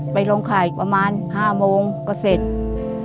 ไปลงไข่ประมาณ๕โมงก็เสร็จ